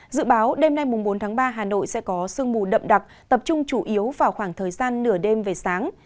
dự báo đêm nay bốn tháng ba hà nội sẽ có sương mù đậm đặc tập trung chủ yếu vào khoảng thời gian nửa đêm về sáng